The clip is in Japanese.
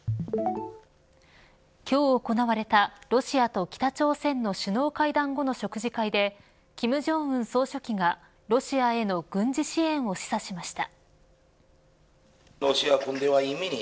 今日行われたロシアと北朝鮮の首脳会談後の食事会で金正恩総書記がロシアへの軍事支援を示唆しました。